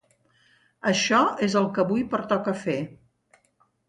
Això és el que avui pertoca fer.